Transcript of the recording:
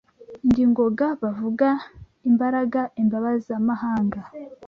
Ndi Ngoga bavuga imbaraga, imbabazamahanga